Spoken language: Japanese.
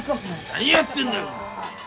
何やってんだよお前。